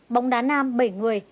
bóng đá nam bảy người